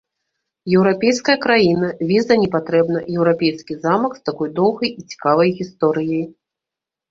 Еўрапейская краіна, віза не патрэбна, еўрапейскі замак з такой доўгай і цікавай гісторыяй.